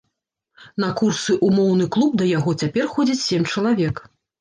На курсы ў моўны клуб да яго цяпер ходзіць сем чалавек.